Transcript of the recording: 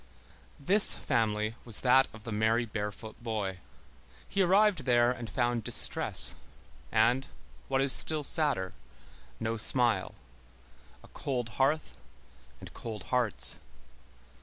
This family was that of the merry barefoot boy. He arrived there and found distress, and, what is still sadder, no smile; a cold hearth and cold hearts.